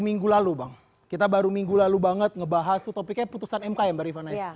minggu lalu bang kita baru minggu lalu banget ngebahas topiknya putusan mk yang dari fania